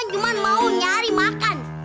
cuman mau nyari makan